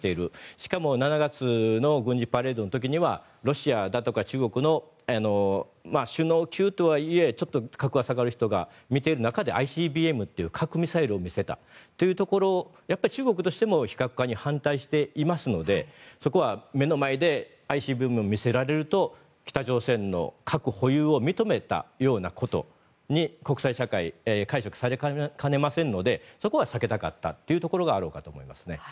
しかも７月の軍事パレードの時にはロシアだとか中国の首脳級とはいえちょっと格が下がる人が見ている中でＩＣＢＭという核ミサイルを見せたというところ、中国としても非核化に反対していますのでそこは目の前でＩＣＢＭを見せられると北朝鮮の核保有を認めたようなことに国際社会から解釈されかねませんのでそこは避けたかったというところがあると思います。